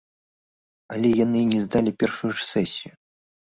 Але яны не здалі першую ж сесію.